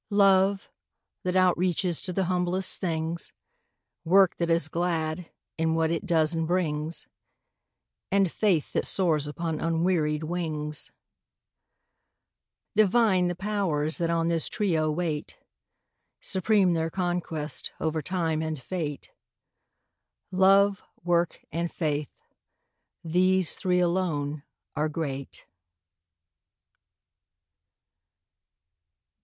Love, that outreaches to the humblest things; Work that is glad, in what it does and brings; And faith that soars upon unwearied wings. Divine the Powers that on this trio wait. Supreme their conquest, over Time and Fate. Love, Work, and Faith—these three alone are great.